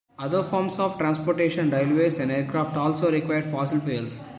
Other forms of transportation, railways and aircraft, also required fossil fuels.